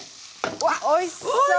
わっおいしそう！